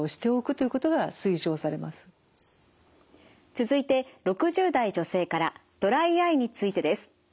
続いて６０代女性からドライアイについてです。